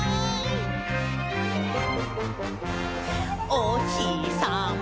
「おひさま